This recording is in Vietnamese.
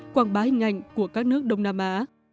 quảng bá hình ảnh của các nước đông nam á